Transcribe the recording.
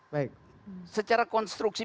baik secara konstruksi